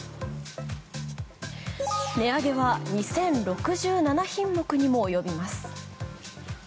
値上げは２０６７品目にも及びます。